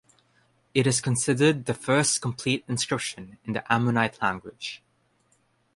It is considered the first complete inscription in the "Ammonite language".